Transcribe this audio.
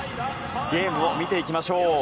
ゲームを見ていきましょう。